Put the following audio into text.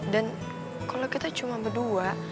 dan kalau kita cuma berdua